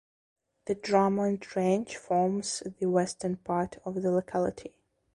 The Drummond Range forms the western part of the locality.